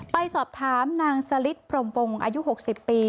ไปสอบถามนางสลิดพรมวงอายุ๖๐ปี